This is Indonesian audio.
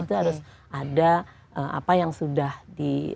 itu harus ada apa yang sudah di